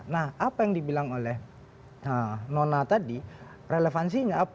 nah apa yang dibilang oleh nona tadi relevansinya apa